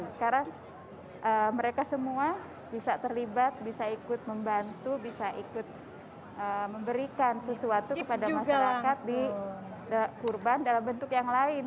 sekarang mereka semua bisa terlibat bisa ikut membantu bisa ikut memberikan sesuatu kepada masyarakat di kurban dalam bentuk yang lain